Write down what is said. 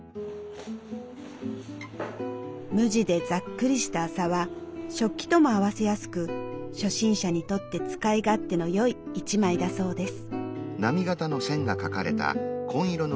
無地でざっくりした麻は食器とも合わせやすく初心者にとって使い勝手のよい１枚だそうです。